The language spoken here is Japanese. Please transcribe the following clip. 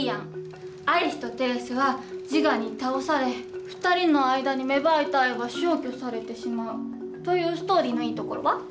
アリスとテレスはジガに倒され２人の間に芽生えた愛は消去されてしまうというストーリーのいいところは？